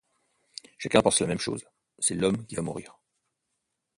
Chacun pense la même chose : c’est l’homme qui va mourir.